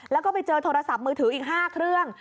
แล้วก็ไปเจอโทรศัพท์มือถืออีก๕เครื่อง